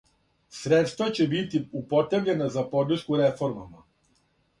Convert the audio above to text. Средства ће бити употребљена за подршку реформама.